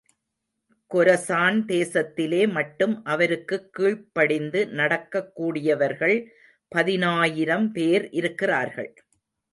Khorasan தேசத்திலே மட்டும் அவருக்குக் கீழ்ப்படிந்து நடக்கக் கூடியவர்கள் பதினாயிரம் பேர் இருக்கிறார்கள்.